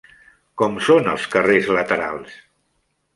Com són els carrers laterals?